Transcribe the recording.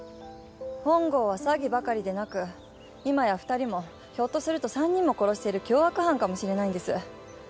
本郷は詐欺ばかりでなく今や２人もひょっとすると３人も殺している凶悪犯かもしれないんです。